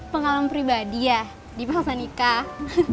pengalaman pribadi ya di masa nikah